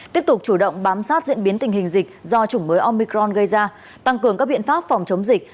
tiếp tục chủ động bám sát diễn biến tình hình dịch do chủng mới omicron gây ra tăng cường các biện pháp phòng chống dịch